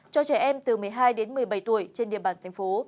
cho trẻ em từ một mươi hai đến một mươi bảy tuổi trên địa bàn thành phố